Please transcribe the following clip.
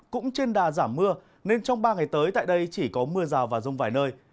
cũng trên đà giảm mưa nên trong ba ngày tới tại đây chỉ có mưa rào và rông vài nơi